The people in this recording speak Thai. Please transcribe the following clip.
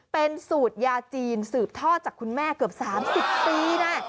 เป็นสูตรยาจีนสืบทอดจากคุณแม่เกือบ๓๐ปีนะ